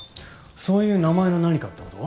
そういう名前の何かってこと？